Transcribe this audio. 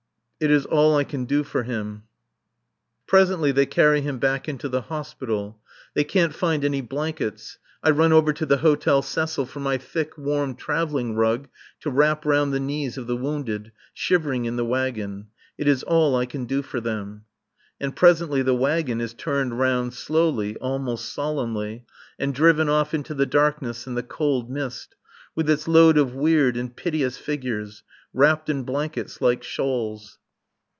It is all I can do for him. Presently they carry him back into the Hospital. They can't find any blankets. I run over to the Hôtel Cecil for my thick, warm travelling rug to wrap round the knees of the wounded, shivering in the wagon. It is all I can do for them. And presently the wagon is turned round, slowly, almost solemnly, and driven off into the darkness and the cold mist, with its load of weird and piteous figures, wrapped in blankets like shawls.